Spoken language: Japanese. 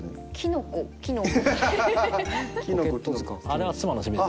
あれは妻の趣味で。